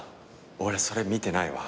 俺それ見てないわ。